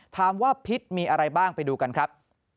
พิษมีอะไรบ้างไปดูกันครับ